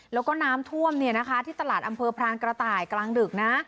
แล้วก็น้ำท่วมที่ตลาดอำเภอพรานกระต่ายกลางดึกนะ